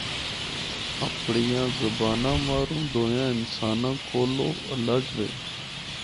اپڑیاں زباناں ماروں دویاں انساناں کولوں الگ وے۔